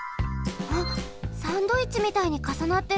あっサンドイッチみたいにかさなってる。